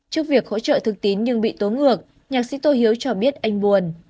trước việc hỗ trợ thực tín nhưng bị tố ngược nhạc sĩ tô hiếu cho biết anh buồn